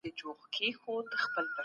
ستاسو سفر دې په خير وي.